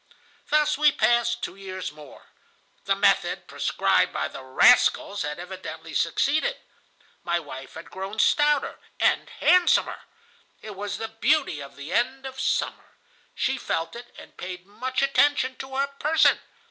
"Thus we passed two years more. The method prescribed by the rascals had evidently succeeded. My wife had grown stouter and handsomer. It was the beauty of the end of summer. She felt it, and paid much attention to her person.